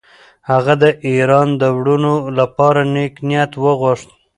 هغه د ایران د وروڼو لپاره نېک نیت وغوښت.